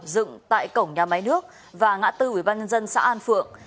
dựng tại cổng nhà máy nước và ngã tư ủy ban nhân dân xã an phượng